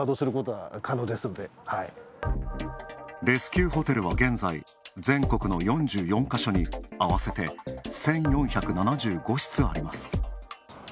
レスキューホテルは現在、全国の４４か所に合わせて１４７５室あります。